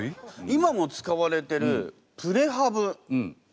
今も使われてるプレハブ。